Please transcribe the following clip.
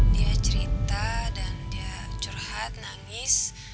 dia cerita dan dia curhat nangis